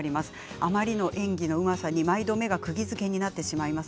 あまりの演技のうまさに毎度目がくぎづけになってしまいます。